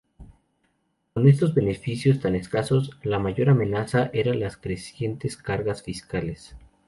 Con estos beneficios tan escasos, la mayor amenaza era las crecientes cargas fiscales.